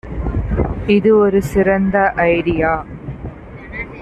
இது ஒரு சிறந்த ஐடியா